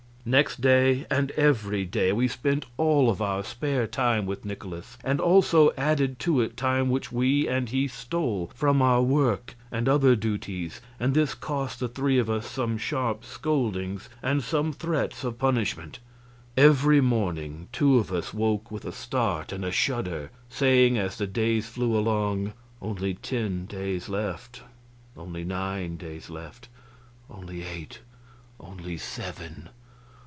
Next day and every day we spent all of our spare time with Nikolaus; and also added to it time which we (and he) stole from work and other duties, and this cost the three of us some sharp scoldings, and some threats of punishment. Every morning two of us woke with a start and a shudder, saying, as the days flew along, "Only ten days left;" "only nine days left;" "only eight;" "only seven."